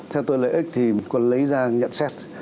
theo tôi lợi ích thì quân lấy ra nhận xét